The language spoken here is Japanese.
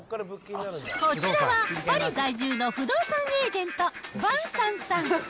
こちらは、パリ在住の不動産エージェント、ヴァンサンさん。